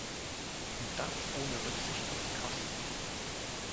Und das ohne Rücksicht auf die Kosten.